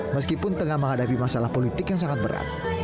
meskipun tengah menghadapi masalah politik yang sangat berat